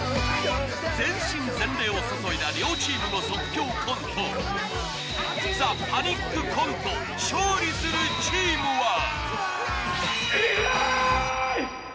全身全霊を注いだ両チームの即興コント『ＴＨＥパニックコント』勝利するチームはエビフライ！